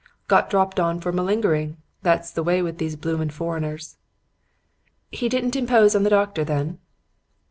'Got dropped on for malingering. That's the way with these bloomin' foreigners.' "'He didn't impose on the doctor, then?'